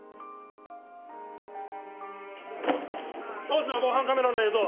当時の防犯カメラの映像